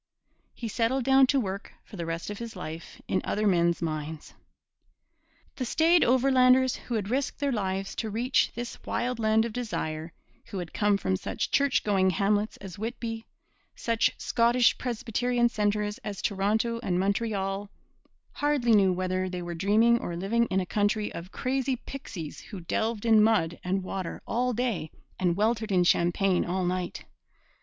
He settled down to work for the rest of his life in other men's mines. The staid Overlanders, who had risked their lives to reach this wild land of desire, who had come from such church going hamlets as Whitby, such Scottish Presbyterian centres as Toronto and Montreal, hardly knew whether they were dreaming or living in a country of crazy pixies who delved in mud and water all day and weltered in champagne all night.